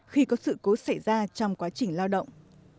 khi có sự cố xảy ra trong quá trình lao động